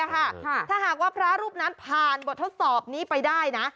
ถ้าหากว่าพระรูปนั้นผ่านบททดสอบนี้ไปได้นะ